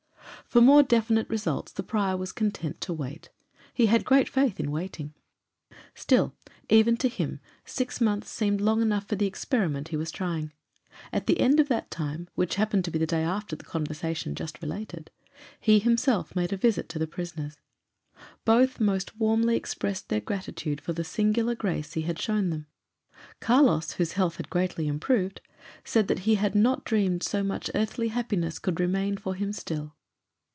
For more definite results the prior was content to wait: he had great faith in waiting. Still, even to him six months seemed long enough for the experiment he was trying. At the end of that time which happened to be the day after the conversation just related he himself made a visit to the prisoners. Both most warmly expressed their gratitude for the singular grace he had shown them. Carlos, whose health had greatly improved, said that he had not dreamed so much earthly happiness could remain for him still.